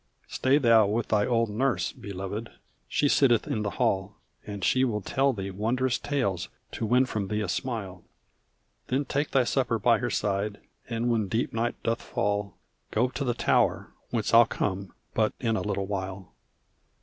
"Stay thou with thy old nurse, Beloved she sitteth in the hall And she will tell thee wondrous tales, to win from thee a smile, Then take thy supper by her side, and when deep night doth fall, Go to the tower, whence I'll come, but in a little while."